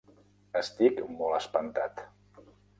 Estic molt espantat.